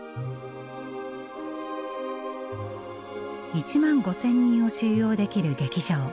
１万５，０００人を収容できる劇場。